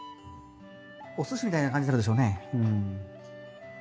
おすしみたいな感じになるでしょうね。